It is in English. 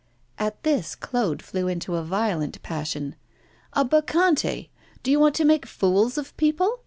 At this Claude flew into a violent passion. 'A Bacchante? Do you want to make fools of people?